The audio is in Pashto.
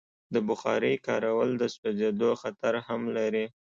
د بخارۍ کارول د سوځېدو خطر هم لري.